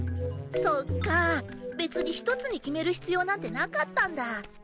そっか別に一つに決める必要なんてなかったんだ。